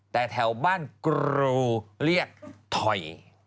แต่แถวบ้านกรูเรียกถอย